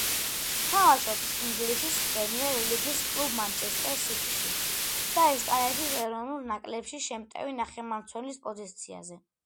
თამაშობს ინგლისის პრემიერ ლიგის კლუბ „მანჩესტერ სიტიში“ და ესპანეთის ეროვნულ ნაკრებში შემტევი ნახევარმცველის პოზიციაზე.